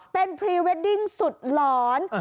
เป็นพรีเวดดิ้งสุดหลอน